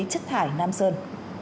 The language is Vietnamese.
chất thải nam sơn